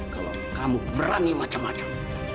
kalau kamu berani macam macam